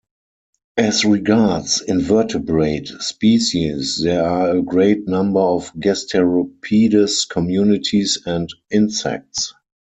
As regards invertebrate species, there are a great number of gasteropedes communities and insects.